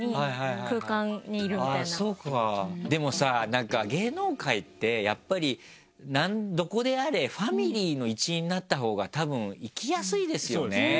そうかでもさなんか芸能界ってやっぱりどこであれファミリーの一員になったほうがたぶん生きやすいですよね。